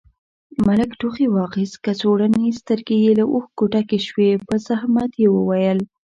ملک ټوخي واخيست، کڅوړنې سترګې يې له اوښکو ډکې شوې، په زحمت يې وويل: